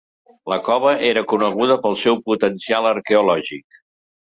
La cova era coneguda pel seu potencial arqueològic.